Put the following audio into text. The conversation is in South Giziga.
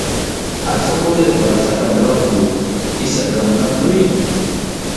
A soko le dan aba a slaka ndra vu, isa gam na mbri sika?